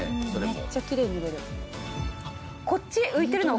めっちゃきれいに塗れる。